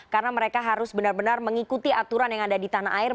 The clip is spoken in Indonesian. karena mereka harus benar benar mengikuti aturan yang ada di tanah air